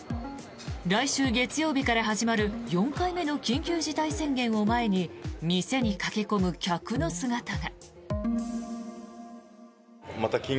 来週月曜日から始まる４回目の緊急事態宣言を前に店に駆け込む客の姿が。